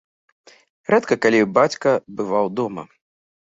Рэдка калі бацька бываў дома.